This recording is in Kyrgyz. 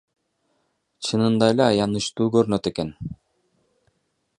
Чынында эле аянычтуу көрүнөт экен.